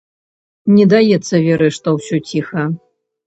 Не даецца веры, што ўсё ціха.